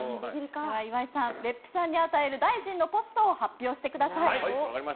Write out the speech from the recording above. では岩井さん別府さんに与える大臣のポストを発表してください。